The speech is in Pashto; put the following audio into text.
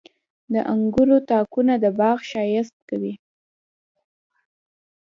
• د انګورو تاکونه د باغ ښایست کوي.